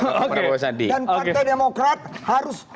dan partai demokrat harus